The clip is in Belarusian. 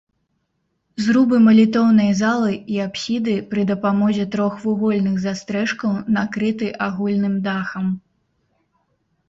Зрубы малітоўнай залы і апсіды пры дапамозе трохвугольных застрэшкаў накрыты агульным дахам.